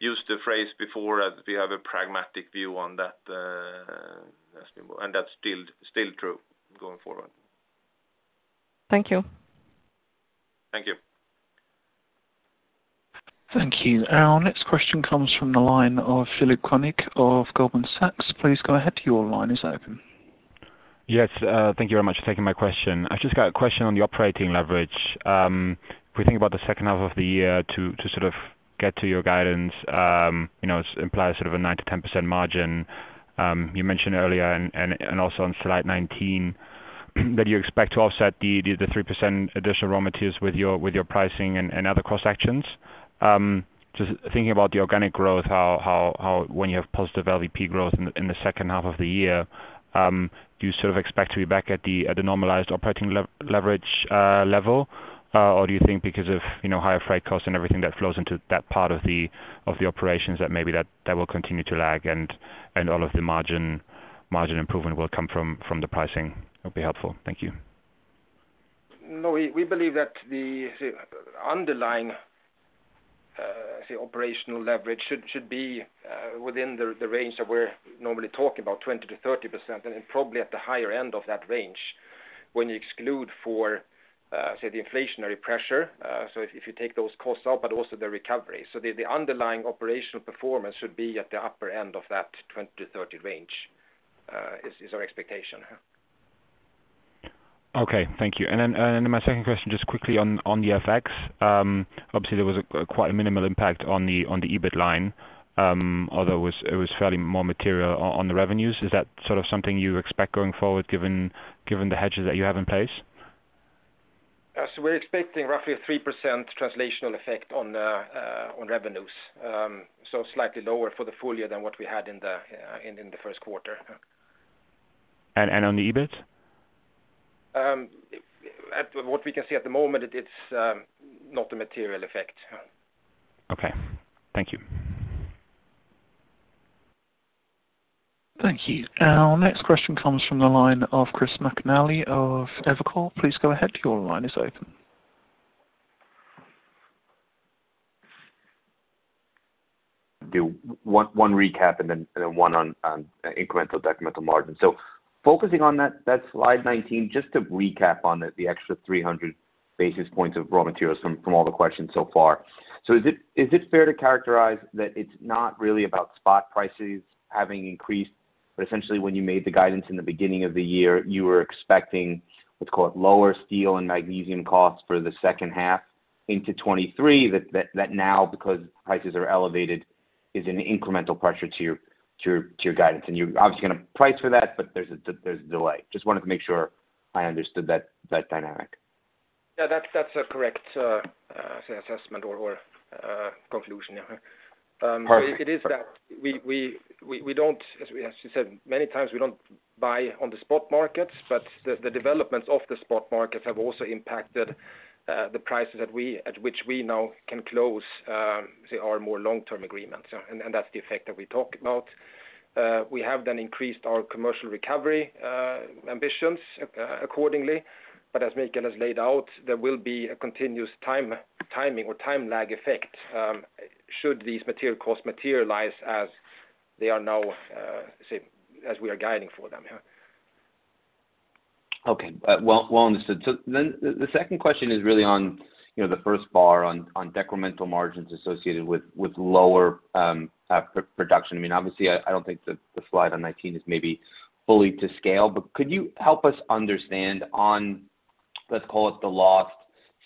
used the phrase before as we have a pragmatic view on that, and that's still true going forward. Thank you. Thank you. Thank you. Our next question comes from the line of Philipp Koenig of Goldman Sachs. Please go ahead. Your line is open. Yes. Thank you very much for taking my question. I've just got a question on the operating leverage. If we think about the second half of the year to sort of get to your guidance, you know, it implies sort of a 9%-10% margin. You mentioned earlier and also on slide 19 that you expect to offset the 3% additional raw materials with your pricing and other cost actions. Just thinking about the organic growth, how, when you have positive LVP growth in the second half of the year, do you sort of expect to be back at the normalized operating leverage level? Do you think because of, you know, higher freight costs and everything that flows into that part of the operations that maybe that will continue to lag and all of the margin improvement will come from the pricing? Would be helpful. Thank you. No, we believe that the underlying, say, operational leverage should be within the range that we're normally talking about, 20%-30%, and then probably at the higher end of that range. When you exclude for, say, the inflationary pressure, so if you take those costs out, but also the recovery. The underlying operational performance should be at the upper end of that 20%-30% range, is our expectation. Okay, thank you. My second question, just quickly on the FX. Obviously there was quite a minimal impact on the EBIT line, although it was fairly more material on the revenues. Is that sort of something you expect going forward given the hedges that you have in place? Yes. We're expecting roughly a 3% translational effect on revenues. Slightly lower for the full year than what we had in the first quarter. On the EBIT? What we can see at the moment, it's not a material effect. Okay. Thank you. Thank you. Our next question comes from the line of Chris McNally of Evercore. Please go ahead. Your line is open. Do one recap and then one on incremental/decremental margin. Focusing on that slide 19, just to recap on the extra 300 basis points of raw materials from all the questions so far. Is it fair to characterize that it's not really about spot prices having increased, but essentially when you made the guidance in the beginning of the year, you were expecting, let's call it lower steel and magnesium costs for the second half into 2023 that now because prices are elevated is an incremental pressure to your guidance? You're obviously gonna price for that, but there's a delay. Just wanted to make sure I understood that dynamic. That's a correct assessment or conclusion, yeah. Perfect. It is that we don't, as we actually said many times, we don't buy on the spot markets, but the developments of the spot markets have also impacted the prices at which we now can close, say, our more long-term agreements. That's the effect that we talk about. We have then increased our commercial recovery ambitions accordingly. As Mikael has laid out, there will be a continuous timing or time lag effect, should these material costs materialize as they are now, say, as we are guiding for them. Okay. Well understood. The second question is really on, you know, the first bar on decremental margins associated with lower production. I mean, obviously I don't think the slide 19 is maybe fully to scale, but could you help us understand on, let's call it the lost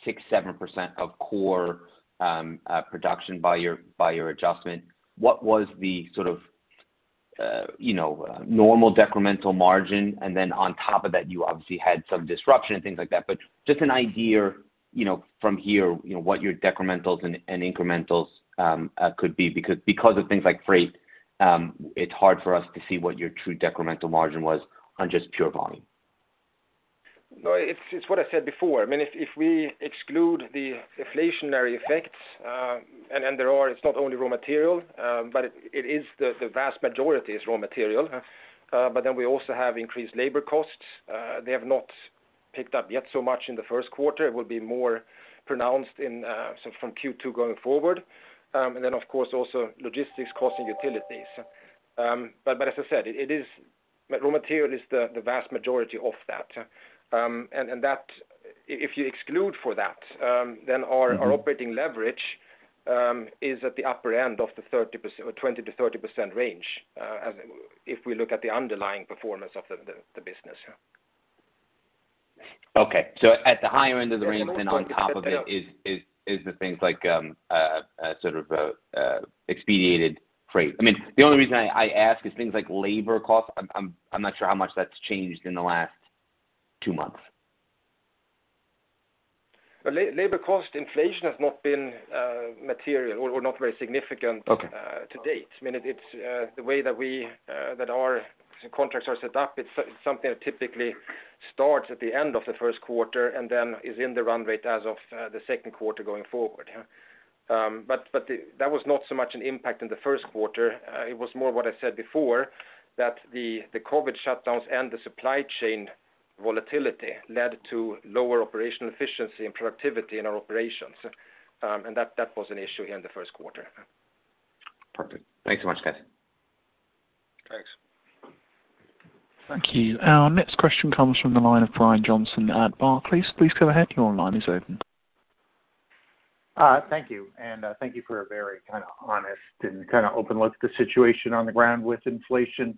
6%-7% of core production by your adjustment? What was the sort of, you know, normal decremental margin? Then on top of that, you obviously had some disruption and things like that. Just an idea, you know, from here, you know, what your decrementals and incrementals could be? Because of things like freight, it's hard for us to see what your true decremental margin was on just pure volume. No, it's what I said before. I mean, if we exclude the inflationary effects, and there are, it's not only raw material, but it is the vast majority is raw material. We also have increased labor costs. They have not picked up yet so much in the first quarter. It will be more pronounced from Q2 going forward. Of course, also logistics costs, utilities. As I said, it is raw material is the vast majority of that. If you exclude that, then our- our operating leverage is at the upper end of the 30% or 20%-30% range if we look at the underlying performance of the business, yeah. Okay. At the higher end of the range. On top of it is the things like sort of expedited freight. I mean, the only reason I ask is things like labor costs. I'm not sure how much that's changed in the last two months. Labor cost? Inflation has not been material or not very significant- Okay. To date. I mean, it's the way that we that our contracts are set up. It's something that typically starts at the end of the first quarter and then is in the run rate as of the second quarter going forward. That was not so much an impact in the first quarter. It was more what I said before, that the COVID shutdowns and the supply chain volatility led to lower operational efficiency and productivity in our operations. That was an issue in the first quarter. Perfect. Thanks so much, guys. Thanks. Thank you. Our next question comes from the line of Brian Johnson at Barclays. Please go ahead. Your line is open. Thank you, and thank you for a very kind of honest and kind of open look at the situation on the ground with inflation.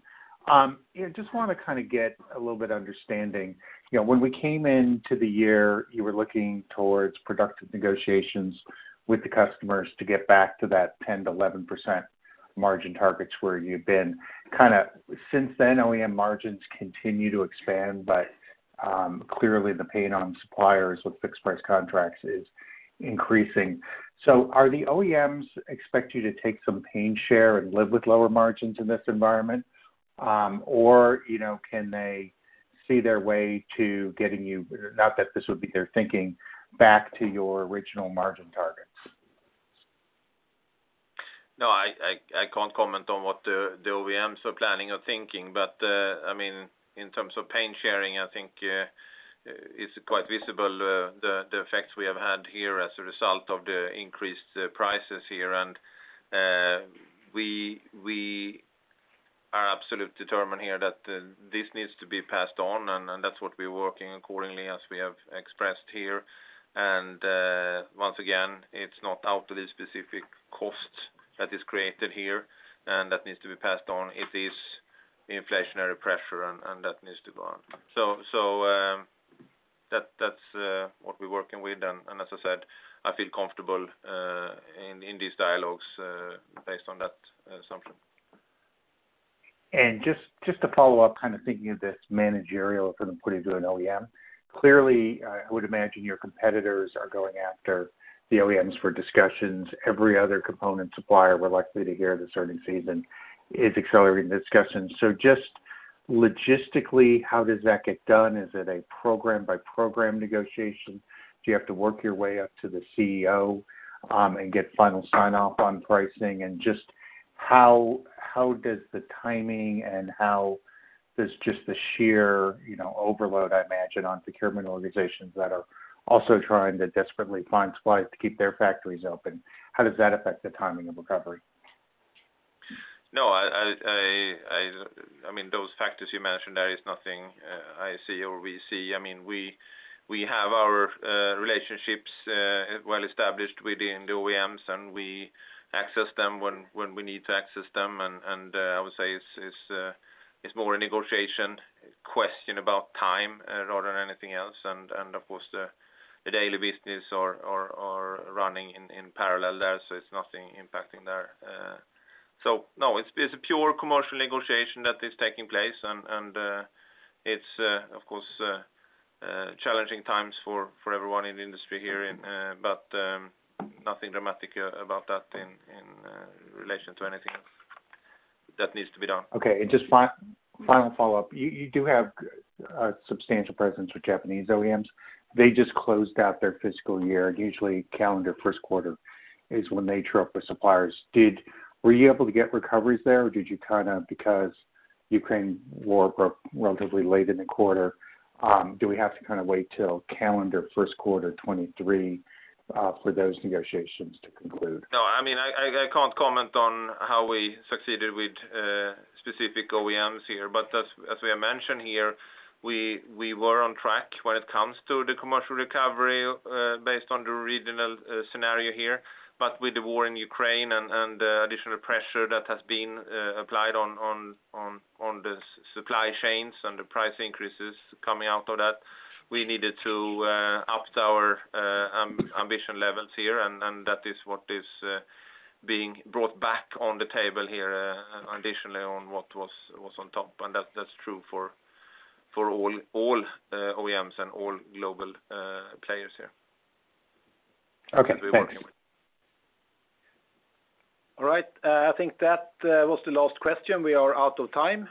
Just wanna kind of get a little bit understanding. You know, when we came into the year, you were looking towards productive negotiations with the customers to get back to that 10%-11% margin targets where you've been. Kind of since then, OEM margins continue to expand, but clearly the pain on suppliers with fixed price contracts is increasing. Are the OEMs expect you to take some pain share and live with lower margins in this environment? Or, you know, can they see their way to getting you, not that this would be their thinking, back to your original margin targets? No, I can't comment on what the OEMs are planning or thinking, but I mean, in terms of pain sharing, I think it's quite visible, the effects we have had here as a result of the increased prices here. We are absolutely determined here that this needs to be passed on, and that's what we're working accordingly as we have expressed here. Once again, it's not Autoliv specific costs that are created here, and that needs to be passed on. It is inflationary pressure, and that needs to be passed on. That's what we're working with. As I said, I feel comfortable in these dialogues based on that assumption. Just to follow up, kind of thinking of this managerially if I'm pitching to an OEM. Clearly, I would imagine your competitors are going after the OEMs for discussions. Every other component supplier we're likely to hear this earnings season is accelerating the discussion. Just logistically, how does that get done? Is it a program by program negotiation? Do you have to work your way up to the CEO and get final sign-off on pricing? Just how does the timing and how does just the sheer, you know, overload, I imagine, on procurement organizations that are also trying to desperately find suppliers to keep their factories open, how does that affect the timing of recovery? No, I mean, those factors you mentioned, that is nothing I see or we see. I mean, we have our relationships well established within the OEMs, and we access them when we need to access them. I would say it's more a negotiation question about time rather than anything else. Of course, the daily business are running in parallel there, so it's nothing impacting there. No, it's a pure commercial negotiation that is taking place. It's of course challenging times for everyone in the industry here and but nothing dramatic about that in relation to anything else that needs to be done. Okay, just final follow-up. You do have substantial presence with Japanese OEMs. They just closed out their fiscal year. Usually calendar first quarter is when they show up with suppliers. Were you able to get recoveries there? Or did you kinda because Ukraine war broke relatively late in the quarter, do we have to kinda wait till calendar first quarter 2023 for those negotiations to conclude? No. I mean, I can't comment on how we succeeded with specific OEMs here. As we have mentioned here, we were on track when it comes to the commercial recovery based on the regional scenario here. With the war in Ukraine and additional pressure that has been applied on the supply chains and the price increases coming out of that, we needed to up our ambition levels here, and that is what is being brought back on the table here, additionally on what was on top. That's true for all OEMs and all global players here. Okay, thanks. All right. I think that was the last question. We are out of time.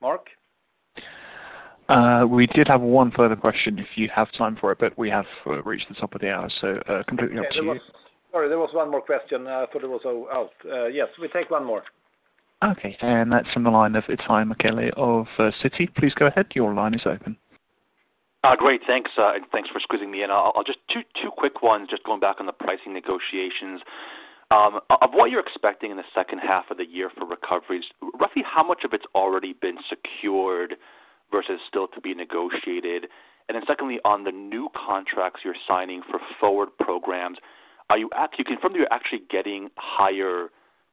Mark? We did have one further question if you have time for it, but we have reached the top of the hour, so completely up to you. Okay. Sorry, there was one more question. I thought it was out. Yes, we take one more. Okay. That's from the line of Itay Michaeli of Citi. Please go ahead. Your line is open. Great. Thanks, and thanks for squeezing me in. Two quick ones, just going back on the pricing negotiations. What you're expecting in the second half of the year for recoveries, roughly how much of it's already been secured versus still to be negotiated? Then secondly, on the new contracts you're signing for forward programs, can you confirm that you're actually getting higher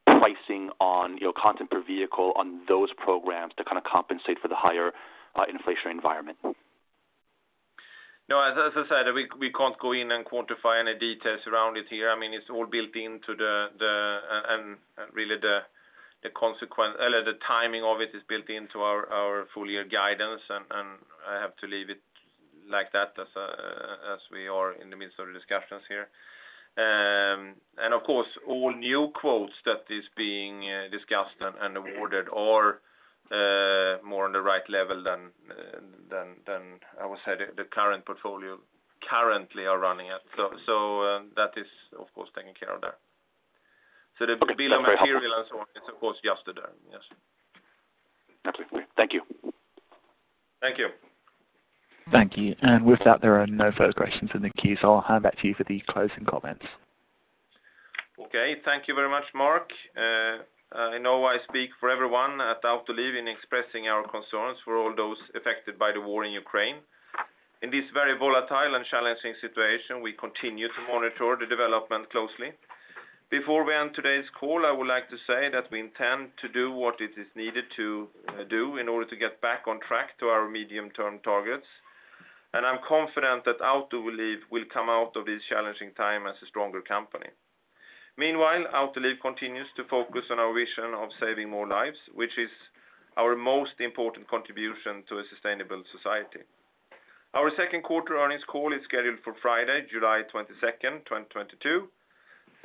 pricing on your content per vehicle on those programs to kinda compensate for the higher inflationary environment? No, as I said, we can't go in and quantify any details around it here. I mean, it's all built into, the timing of it is built into our full year guidance, and I have to leave it like that as we are in the midst of the discussions here. Of course, all new quotes that is being discussed and awarded are more on the right level than I would say the current portfolio currently are running at. That is, of course, taken care of there. The bill of material and so on is, of course, adjusted there. Yes. Absolutely. Thank you. Thank you. Thank you. With that, there are no further questions in the queue, so I'll hand back to you for the closing comments. Okay. Thank you very much, Mark. I know I speak for everyone at Autoliv in expressing our concerns for all those affected by the war in Ukraine. In this very volatile and challenging situation, we continue to monitor the development closely. Before we end today's call, I would like to say that we intend to do what it is needed to do in order to get back on track to our medium term targets, and I'm confident that Autoliv will come out of this challenging time as a stronger company. Meanwhile, Autoliv continues to focus on our vision of saving more lives, which is our most important contribution to a sustainable society. Our second quarter earnings call is scheduled for Friday, July 22, 2022.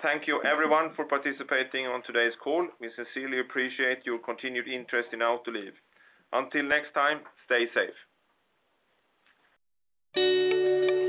Thank you everyone for participating on today's call. We sincerely appreciate your continued interest in Autoliv. Until next time, stay safe.